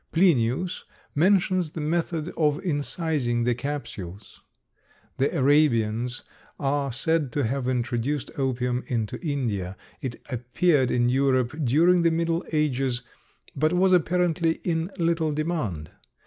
Plinius mentions the method of incising the capsules. The Arabians are said to have introduced opium into India. It appeared in Europe during the middle ages, but was apparently in little demand.